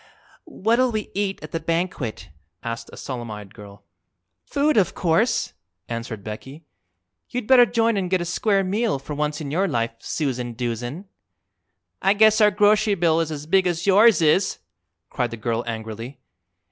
"What'll we eat at the banquet?" asked a solemn eyed girl. "Food, of course," answered Becky. "You'd better join an' get a square meal, for once in your life, Susan Doozen." "I guess our grocery bill is as big as yours is!" cried the girl angrily.